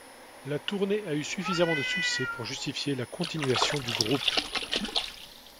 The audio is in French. La tournée a eu suffisamment de succès pour justifier la continuation du groupe.